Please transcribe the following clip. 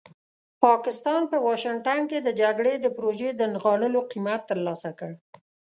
پاکستان په واشنګټن کې د جګړې د پروژې د نغاړلو قیمت ترلاسه کړ.